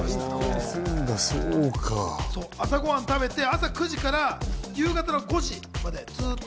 朝ごはん食べて、朝９時から夕方５時までずっと。